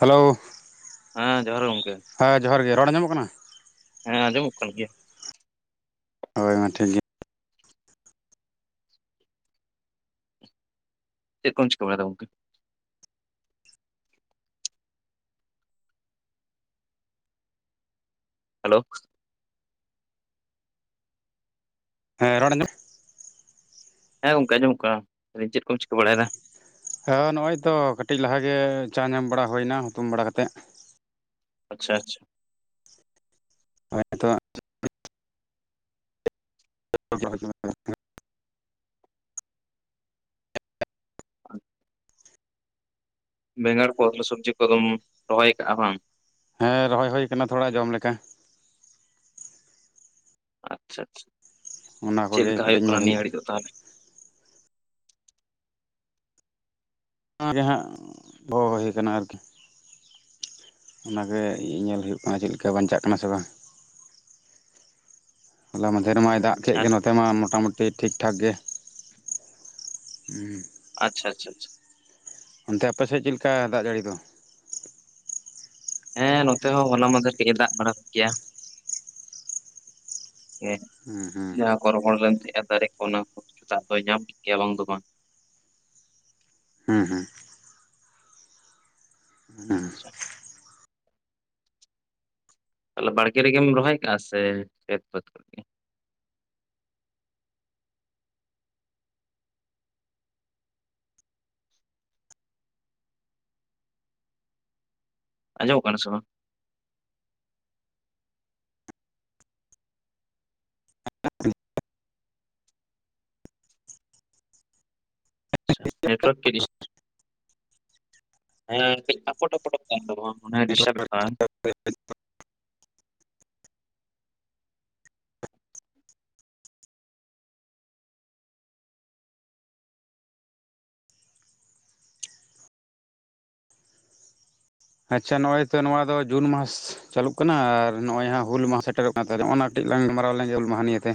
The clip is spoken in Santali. ᱦᱮᱞᱳᱣ ᱦᱮᱸ ᱡᱚᱦᱟᱨ ᱜᱮ ᱜᱚᱝᱠᱮ᱾ ᱦᱮᱸ ᱡᱚᱦᱟᱨ ᱜᱮ ᱨᱚᱲ ᱟᱸᱡᱚᱢᱚᱜ ᱠᱟᱱᱟ? ᱦᱮᱸ ᱟᱸᱡᱚᱢᱚᱜ ᱠᱟᱱ ᱜᱮᱭᱟ᱾ ᱦᱳᱭ ᱢᱟ ᱴᱷᱤᱠ ᱜᱮᱭᱟ᱾ ᱪᱮᱫ ᱠᱚᱢ ᱪᱤᱠᱟᱹ ᱵᱟᱲᱟᱭ ᱫᱟ ᱜᱚᱝᱠᱮ? ᱦᱮᱞᱳᱼᱼ ᱦᱮᱸ ᱨᱚᱲ ᱟᱸᱡᱚᱢᱼᱼ ᱦᱮᱸ ᱜᱚᱝᱠᱮ ᱟᱸᱡᱚᱢᱚᱜ ᱠᱟᱱᱟ ᱪᱮᱫ ᱠᱚᱢ ᱪᱤᱠᱟᱹ ᱵᱟᱲᱟᱭᱮᱫᱟ? ᱦᱳᱭ ᱱᱚᱜ ᱚᱭ ᱛᱚ ᱠᱟᱹᱴᱤᱡ ᱞᱟᱦᱟ ᱜᱮ ᱪᱟ ᱧᱟᱢ ᱵᱟᱲᱟ ᱦᱩᱭᱱᱟ ᱦᱩᱛᱩᱢ ᱵᱟᱲᱟ ᱠᱟᱛᱮᱜ᱾ ᱟᱪᱪᱷᱟ-ᱟᱪᱪᱷᱟᱼᱼ ᱦᱳᱭ ᱟᱫᱚᱜᱼᱼ [unintelligible] [unintelligible] ᱵᱮᱸᱜᱟᱲ ᱠᱚ ᱟᱞᱩ ᱥᱚᱵᱽᱡᱤ ᱠᱚᱫᱚᱢ ᱨᱚᱦᱚᱭ ᱟᱠᱟᱜ-ᱟ ᱵᱟᱝ? ᱦᱮᱸ ᱨᱚᱦᱚᱭ ᱦᱩᱭ ᱠᱟᱱᱟ ᱛᱷᱚᱲᱟ ᱡᱚᱢ ᱞᱮᱠᱟ᱾ ᱟᱪᱪᱷᱟ-ᱟᱪᱪᱷᱟ ᱚᱱᱟ ᱪᱮᱫ ᱠᱚᱜᱮ ᱞᱮᱠᱟ ᱦᱩᱭᱩᱜ ᱠᱟᱹᱴᱤᱡ ᱠᱟᱱᱟ ᱧᱮᱞ ᱱᱤᱭᱟᱹ ᱜᱷᱟᱹᱲᱤᱡ ᱫᱚ ᱛᱟᱦᱚᱞᱮ? [inaudible] ᱜᱮ ᱦᱟᱸᱜ [inaudible] ᱦᱩᱭ ᱠᱟᱱᱟ ᱟᱨᱠᱤ᱾ ᱚᱱᱟᱜᱮ ᱤ ᱧᱮᱞ ᱦᱩᱭᱩᱜ ᱠᱟᱱᱟ ᱪᱮᱫ ᱞᱮᱠᱟ ᱵᱟᱧᱪᱟᱜ ᱠᱟᱱᱟ ᱥᱮ ᱵᱟᱝ? [inaudible] ᱦᱚᱞᱟ ᱢᱟᱫᱷᱮᱨ ᱢᱟᱭ ᱫᱟᱜ ᱠᱮᱫ ᱜᱮ ᱱᱚᱛᱼᱼ ᱱᱚᱱᱛᱮ ᱢᱟ ᱢᱚᱴᱟ-ᱢᱩᱴᱤ ᱴᱷᱤᱠ-ᱴᱷᱟᱠ ᱜᱮ ᱦᱩᱸ ᱟᱪᱪᱷᱟ ᱪᱷᱟ-ᱪᱷᱟ ᱚᱱᱛᱮ ᱟᱯᱮᱥᱮᱫ ᱪᱮᱫ ᱞᱮᱠᱟ ᱫᱟᱜ ᱡᱟᱹᱲᱤ ᱫᱚ? ᱦᱮᱸ ᱱᱚᱛᱮ ᱦᱚᱸ ᱦᱚᱱᱟ ᱢᱟᱫᱷᱮᱨ ᱠᱟᱹᱡ ᱮ ᱫᱟᱜ ᱵᱟᱲᱟ ᱠᱮᱭᱟ᱾ ᱦᱩᱸ ᱦᱩᱸ ᱡᱟᱦᱟᱸ ᱨᱚᱦᱚᱲ ᱞᱮᱱ ᱛᱟᱦᱮᱸᱜ ᱟ ᱫᱟᱨᱮ ᱠᱚ ᱚᱱᱟ ᱠᱚ ᱥᱮᱛᱟᱜ ᱫᱚᱭ ᱧᱟᱢ ᱠᱮᱫ ᱜᱮᱭᱟ ᱵᱟᱝ ᱫᱚ ᱵᱟᱝ᱾ ᱦᱩᱸ-ᱦᱩᱸ ᱦᱩᱸ ᱟᱪᱪᱷᱟ ᱛᱟᱦᱚᱞᱮ ᱵᱟᱲᱜᱮ ᱨᱮᱜᱮᱢ ᱨᱚᱦᱚᱭ ᱠᱟᱜ-ᱟ ᱥᱮ ᱠᱷᱮᱛ ᱵᱟᱹᱛ ᱠᱚᱨᱮ ᱜᱮ? ᱟᱸᱡᱚᱢᱚᱜ ᱠᱟᱱᱟ ᱥᱮ ᱵᱟᱝ? [inaudible] ᱟᱪᱪᱷᱟ ᱱᱮᱴᱚᱣᱟᱨᱠ ᱮ ᱰᱤᱥᱼᱼ ᱦᱮᱸ ᱠᱟᱹᱴᱤᱡ ᱟᱠᱚᱴ ᱟᱠᱚᱴ-ᱚᱜ ᱠᱟᱱ ᱫᱚ ᱚᱱᱟᱭ ᱰᱤᱥᱴᱟᱵ ᱮᱫᱟ᱾ [unintelligible] ᱟᱪᱪᱷᱟ ᱱᱚᱜᱼᱚᱭ ᱛᱚ ᱱᱚᱣᱟ ᱫᱚ ᱡᱩᱱ ᱢᱟᱥ ᱪᱟᱹᱞᱩᱜ ᱠᱟᱱᱟ ᱟᱨ ᱱᱚᱜᱼᱚᱭ ᱦᱟᱸᱜ ᱦᱩᱞ ᱢᱟᱦᱟ ᱥᱮᱴᱮᱨᱚᱜ ᱠᱟ ᱢᱟ ᱛᱟᱦᱞᱮ ᱱᱚᱼ ᱚᱱᱟ ᱱᱟᱴᱤᱡ ᱞᱟᱝ ᱜᱟᱞ ᱢᱟᱨᱟᱣᱟᱞᱮᱱ ᱡᱮ ᱦᱩᱞ ᱢᱟᱦᱟ ᱱᱤᱭᱟᱹ ᱛᱮ